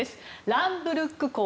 ランブルック校。